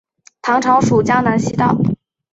唐朝属江南西道。